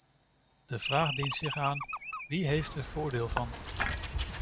De vraag dient zich aan - wie heeft er voordeel van?